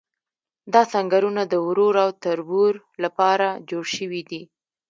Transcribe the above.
دا سنګرونه د ورور او تربور لپاره جوړ شوي دي.